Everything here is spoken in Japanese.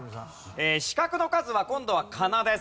四角の数は今度はかなです。